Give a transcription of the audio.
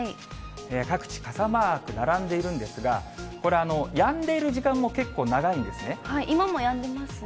各地、傘マーク並んでいるんですが、これ、やんでいる時間も結構長い今もやんでますね。